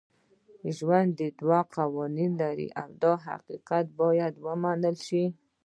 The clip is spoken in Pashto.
ژوند دوه قوانین لري دا حقیقت باید ومنل شي.